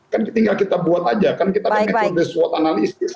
kan tinggal kita buat aja kan kita memang sudah swot analisis